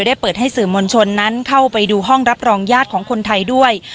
เปิดให้สื่อมวลชนนั้นเข้าไปดูห้องรับรองญาติของคนไทยด้วย